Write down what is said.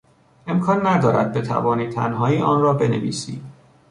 امکان ندارد بتوانی تنهایی آن را بنویسی.